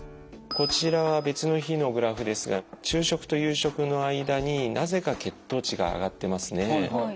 こちらは別の日のグラフですが昼食と夕食の間になぜか血糖値が上がってますね。